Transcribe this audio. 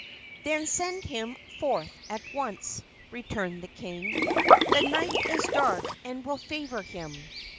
"Then send him forth at once," returned the king; "the night is dark and will favor him."